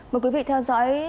mời quý vị theo dõi